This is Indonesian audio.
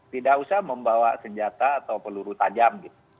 tidak usah membawa senjata atau peluang